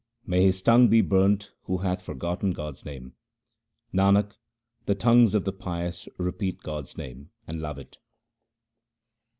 May his tongue be burnt who hath forgotten God's name ! Nanak, the tongues of the pious repeat God's name and love it.